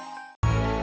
terima kasih pak